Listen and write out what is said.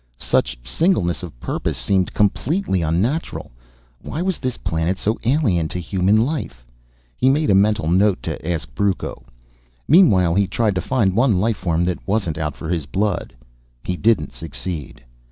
Such singleness of purpose seemed completely unnatural. Why was this planet so alien to human life? He made a mental note to ask Brucco. Meanwhile he tried to find one life form that wasn't out for his blood. He didn't succeed.